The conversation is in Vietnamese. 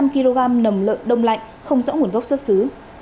năm trăm linh kg nầm lợi đông lạnh không rõ nguồn gốc xuất xứ